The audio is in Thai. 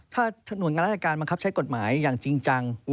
ถ้าหน่วยงานราชการบังคับใช้กฎหมายอย่างจริงจัง